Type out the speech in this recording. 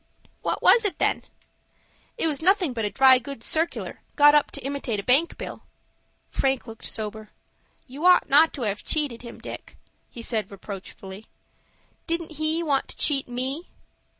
"What was it, then?" "It was nothing but a dry goods circular got up to imitate a bank bill." Frank looked sober. "You ought not to have cheated him, Dick," he said, reproachfully. "Didn't he want to cheat me?"